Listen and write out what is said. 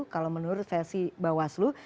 kalau menurut versi bawaslu